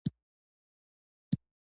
زړه د دوعا منبع ده.